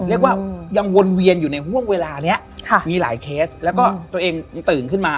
เรียกว่ายังวนเวียนอยู่ในห่วงเวลานี้มีหลายเคสแล้วก็ตัวเองตื่นขึ้นมา